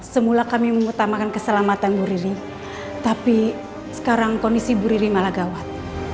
semula kami mengutamakan keselamatan bu riri tapi sekarang kondisi bu riri malagawat